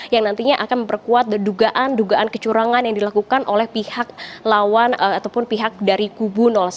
yang nantinya akan memperkuat dugaan dugaan kecurangan yang dilakukan oleh pihak lawan ataupun pihak dari kubu satu